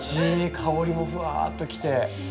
香りもふわっときて。